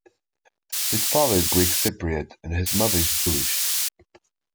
His father is Greek Cypriot and his mother is Jewish.